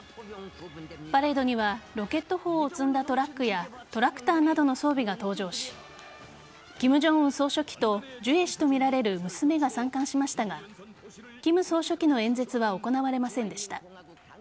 パレードにはロケット砲を積んだトラックやトラクターなどの装備が登場し金正恩総書記とジュエ氏とみられる娘が参観しましたが金総書記の演説は行われませんでした。